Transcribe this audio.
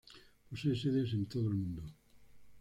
Posee sedes en todo el mundo.